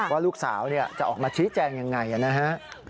ว่าลูกสาวจะออกมาชี้แจงยังไงนะฮะ